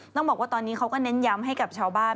ต้องบอกว่าตอนนี้เขาก็เน้นย้ำให้กับชาวบ้าน